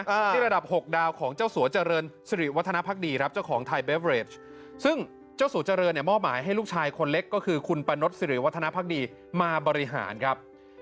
ที่ระดับหกดาวของเจ้าสัวเจริญสิริวัฒนภักดีครับเจ้าของไทยเบเรชซึ่งเจ้าสัวเจริญเนี่ยมอบหมายให้ลูกชายคนเล็กก็คือคุณปะนดสิริวัฒนภักดีมาบริหารครับ